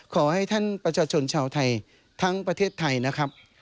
ขอให้ท่านประชาชนชาวไทยทั้งประเทศไทยนะครับ